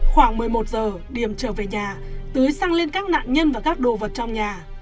khoảng một mươi một giờ điểm trở về nhà tưới sang lên các nạn nhân và các đồ vật trong nhà